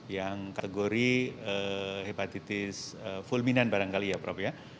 yang kategori hepatitis fulminan barangkali ya prof ya